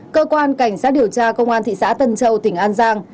cơ quan cảnh sát điều tra công an thị xã tân châu tỉnh an giang